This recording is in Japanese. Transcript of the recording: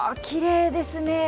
きれいですね。